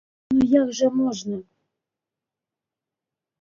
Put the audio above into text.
Ну, як жа можна!